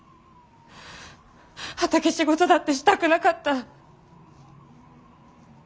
畑仕事だってしたくなかった。